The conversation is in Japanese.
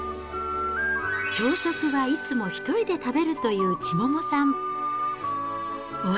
朝食はいつも１人で食べるという千桃さん。